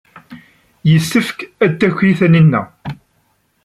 Yessefk ad d-taki Tanina.